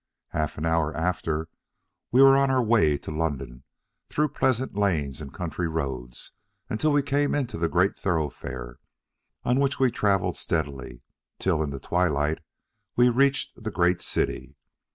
Half an hour after, we were on our way to London, through pleasant lanes and country roads, until we came into the great thoroughfare, on which we traveled steadily, till in the twilight we reached the great city.